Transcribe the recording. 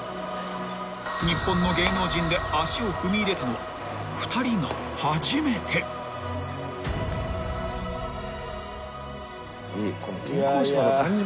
日本の芸能人で足を踏み入れたのは２人が初めて］いやいや。